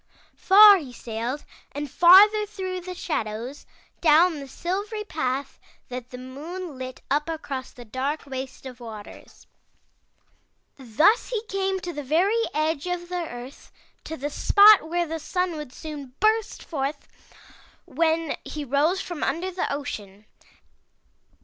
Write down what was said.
Far he sailed and farther through the shadows, down the silvery path that the moon lit up across the dark waste of the waters. Thus he came to the very edge of the earth, to the spot where the Sun would soon burst forth when he rose from under the ocean.